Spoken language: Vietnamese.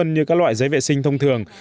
như các loại giấy vệ sinh thông thường